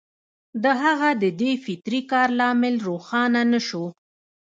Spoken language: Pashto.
د هغه د دې فطري کار لامل روښانه نه شو